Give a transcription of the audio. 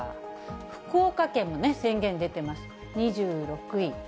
福岡県も宣言出てます、２６位。